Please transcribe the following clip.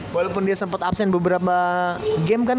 walaupun dia sempat absen beberapa game kan